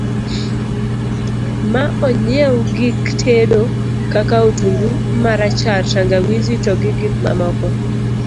ma onyiew gik tedo kaka otungu marachar, tangawizi to gi gik mamoko